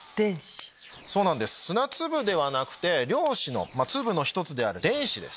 砂粒ではなくて量子の粒の１つである電子です。